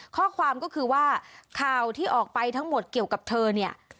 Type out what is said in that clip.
ข้อความก็คือว่าข่าวที่ออกไปทั้งหมดเกี่ยวกับเธอเนี่ย